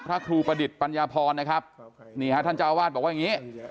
พระครูประดิษฐ์ปัญญาพรนะครับนี่ฮะท่านเจ้าวาดบอกว่าอย่างนี้